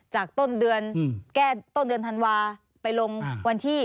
ต้นเดือนแก้ต้นเดือนธันวาไปลงวันที่